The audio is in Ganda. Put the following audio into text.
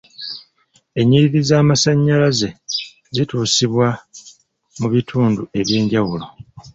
Ennyiriri z'amasannyalaze zituusibwa mu bintu ebyenjawulo.